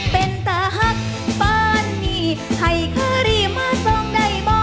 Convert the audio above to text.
เป็นตะหักบ้านนี้ให้ขรีมส่องได้บ่